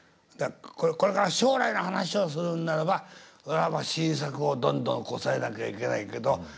これから将来の話をするんならばいわば新作をどんどんこさえなきゃいけないけどなかなか追いつかない。